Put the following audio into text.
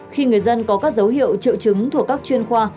khi người dân có các dấu hiệu triệu chứng thuộc các chuyên khoa